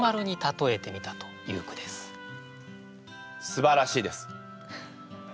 すばらしいです。